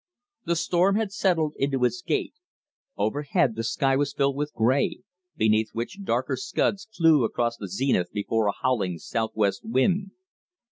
The storm had settled into its gait. Overhead the sky was filled with gray, beneath which darker scuds flew across the zenith before a howling southwest wind.